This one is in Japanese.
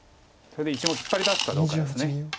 それで１目引っ張り出すかどうかです。